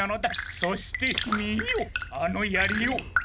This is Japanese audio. そしてみよあのやりを！